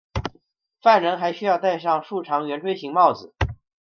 犯人还需要戴上竖长圆锥形帽子。